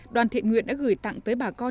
đoàn thiện nguyện đã gửi tặng tới bà con